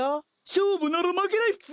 勝負なら負けないっす！